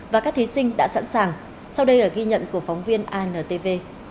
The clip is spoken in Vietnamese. và các thí sinh đã sẵn sàng sau đây là ghi nhận của phóng viên intv